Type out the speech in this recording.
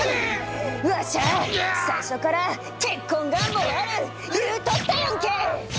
わしゃ最初から結婚願望ある言うとったやんけ！